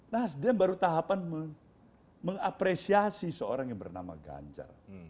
nasdem baru tahapan mengapresiasi seorang yang bernama ganjar